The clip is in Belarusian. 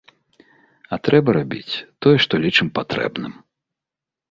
А трэба рабіць тое, што лічым патрэбным.